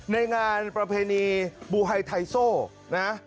ในงานประเพณีบูไฮไทโซ่นะ